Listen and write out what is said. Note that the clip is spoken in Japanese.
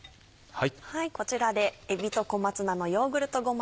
こちらでえびと小松菜のヨーグルトごま